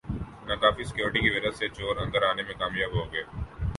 ناکافی سیکورٹی کی وجہ سےچور اندر آنے میں کامیاب ہوگئے